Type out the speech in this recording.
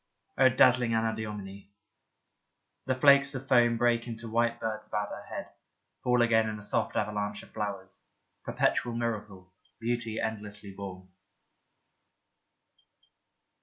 O dazzling Anadyomene ! The flakes of foam break into white birds about her head, fall again in a soft avalanche of flowers. Perpetual miracle, beauty endlessly born.